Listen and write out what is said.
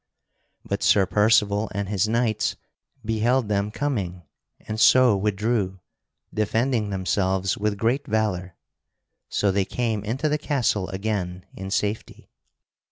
But Sir Percival and his knights beheld them coming, and so withdrew, defending themselves with great valor. So they came into the castle again in safety.